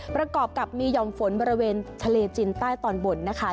ประกอบกับมีห่อมฝนบริเวณทะเลจินใต้ตอนบนนะคะ